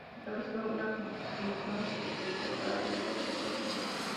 Se estableció una comisión especial para dicho propósito.